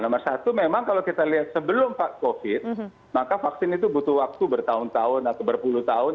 nomor satu memang kalau kita lihat sebelum covid maka vaksin itu butuh waktu bertahun tahun atau berpuluh tahun